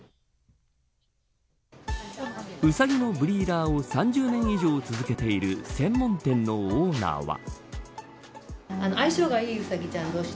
ウサギのブリーダーを３０年以上続けている専門店のオーナーは。